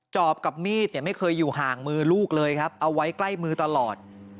อบกับมีดเนี่ยไม่เคยอยู่ห่างมือลูกเลยครับเอาไว้ใกล้มือตลอด